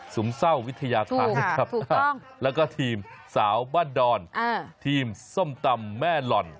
สูงเศร้าวิทยาคารนะครับแล้วก็ทีมสาวบ้านดอนทีมส้มตำแม่หล่อน